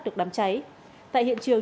được đám cháy tại hiện trường